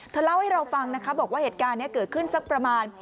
เล่าให้เราฟังนะคะบอกว่าเหตุการณ์นี้เกิดขึ้นสักประมาณ